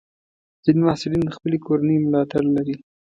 ځینې محصلین د خپلې کورنۍ ملاتړ لري.